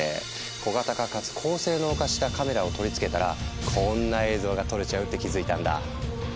小型化かつ高性能化したカメラを取り付けたらこんな映像が撮れちゃうって気付いたんだ。